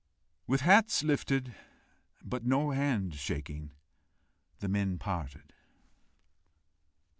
With lifted hats, but no hand shaking, the men parted.